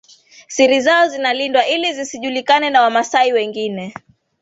Siri zao zinalindwa ili zisijulikane na Wamasai wengine